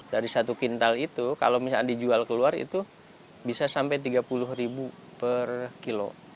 dari satu kintal itu kalau misalnya dijual keluar itu bisa sampai tiga puluh per kilo